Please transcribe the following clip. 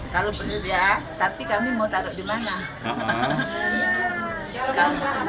kalau bersedia tapi kami mau taruh dimana